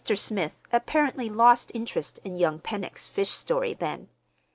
Smith apparently lost interest in young Pennock's fish story then.